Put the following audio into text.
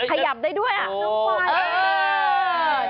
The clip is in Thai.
ขยับได้ด้วยน้องขวาย